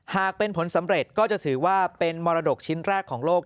หากเป็นผลสำเร็จก็จะถือว่าเป็นมรดกชิ้นแรกของโลก